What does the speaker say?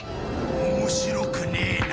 面白くねえな。